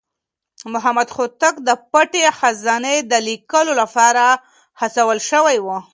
محمد هوتک د پټې خزانې د ليکلو لپاره هڅول شوی و.